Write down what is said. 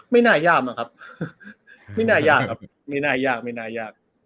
ไม่น่ายากอะครับไม่น่ายากครับไม่น่ายากไม่น่ายาก